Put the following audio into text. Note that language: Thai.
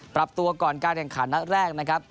ปรับตัวก่อนการแข่งขันนัดแรกนะครับ